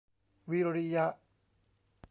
วิริยะ